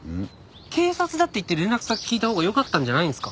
警察だって言って連絡先聞いたほうがよかったんじゃないんすか？